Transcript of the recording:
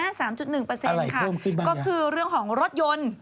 อะไรเพิ่มขึ้นบ้างอย่างก็คือเรื่องของรถยนต์